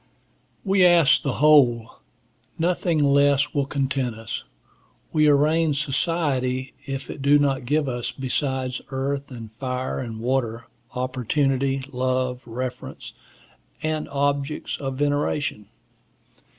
We ask the whole. Nothing less will content us. We arraign society if it do not give us besides earth, and fire, and water, opportunity, love, reverence, and objects of veneration.